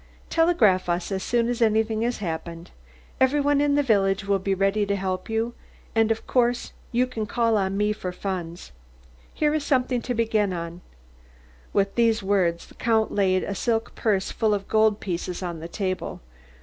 Telegraph us as soon as anything has happened. Every one in the village will be ready to help you and of course you can call on me for funds. Here is something to begin on." With these words the Count laid a silk purse full of gold pieces on the table.